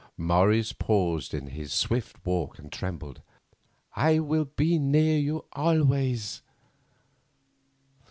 Morris paused in his swift walk and trembled: "I will be near you always."